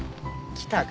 来たか？